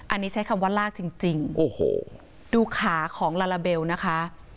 อันนี้ใช้คำว่าลากจริงจริงโอ้โหดูขาของลาลาเบลนะคะ